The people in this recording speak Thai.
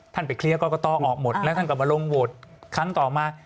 ท่านไปเคลียร์ก็ต้อออกหมดแล้วท่านกลับมาลงโวทธ์ครั้งต่อมา